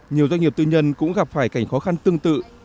nhiều doanh nghiệp tư nhân cũng gặp phải cảnh khó khăn tương tự